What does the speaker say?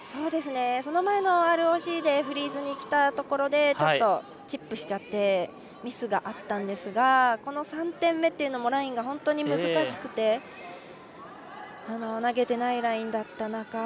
その前のＲＯＣでフリーズにきたところでちょっと、チップしちゃってミスがあったんですがこの３点目っていうのもラインが本当に難しくて投げてないラインだった中